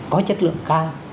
có chất lượng cao